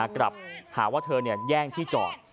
กลับหาว่าเธอแย่งที่จอด